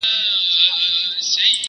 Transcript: چي دا ولي اې د ستر خالق دښمنه؛